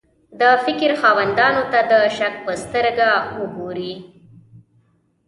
د فکر خاوندانو ته د شک په سترګه وګوري.